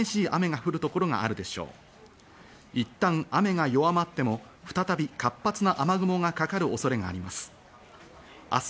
降った雨が弱まっても再び活発な雨雲がかかる恐れがあります。